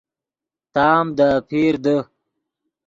تام دے اپیر دے